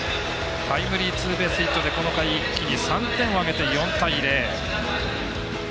タイムリーツーベースヒットでこの回一気に３点を挙げて４対０。